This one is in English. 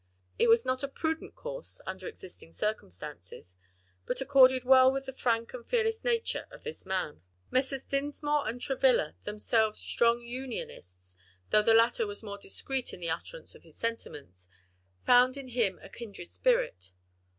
It was not a prudent course under existing circumstances, but accorded well with the frank and fearless nature of the man. Messrs. Dinsmore and Travilla, themselves strong Unionists, though the latter was more discreet in the utterance of his sentiments, found in him a kindred spirit.